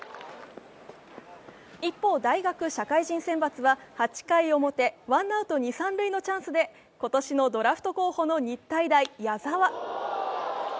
一方、大学・社会人選抜は８回表、ワンアウト二・三塁のチャンスで今年のドラフト候補の日体大・矢澤。